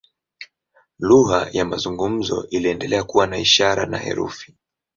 Lugha ya mazungumzo iliendelea na kuwa ishara na herufi.